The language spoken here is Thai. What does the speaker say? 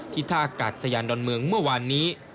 ท่ากาศยานดอนเมืองเมื่อวานนี้